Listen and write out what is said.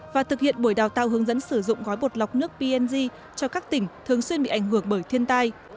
và thực hiện buổi đào tạo hướng dẫn sử dụng gói bột lọc nước png cho các tỉnh thường xuyên bị ảnh hưởng bởi thiên tai